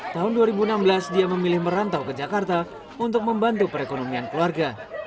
tahun dua ribu enam belas dia memilih merantau ke jakarta untuk membantu perekonomian keluarga